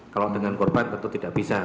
kalau dengan korban tentu tidak bisa